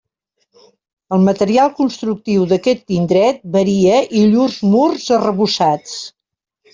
El material constructiu d'aquest indret varia i llurs murs arrebossats.